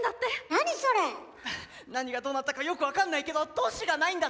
何それ⁉何がどうなったかよく分かんないけど都市がないんだって。